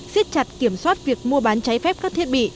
xiết chặt kiểm soát việc mua bán trái phép các thiết bị